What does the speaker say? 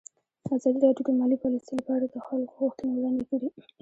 ازادي راډیو د مالي پالیسي لپاره د خلکو غوښتنې وړاندې کړي.